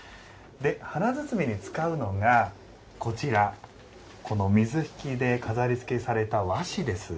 華包に使うのがこの水引で飾りつけされた和紙です。